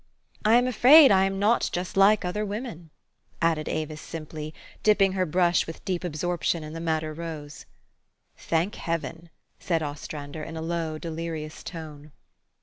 I am afraid I am not just like other women," added Avis simply, dipping her brush with deep absorption in the madder rose. " Thank Heaven !" said Ostrander, in a low, de lirious tone.